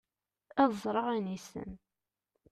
ad ẓreɣ ayen yessen